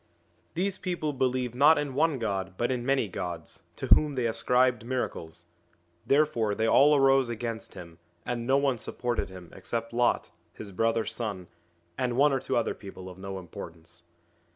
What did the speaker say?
These people believed not in one God but in many gods, to whom they ascribed miracles ; therefore they all arose against him, and no one supported him except Lot, his brother's son, and one or two other people of no importance.